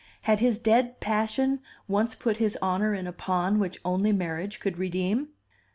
Had his dead passion once put his honor in a pawn which only marriage could redeem?